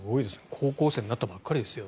高校生になったばかりですよ。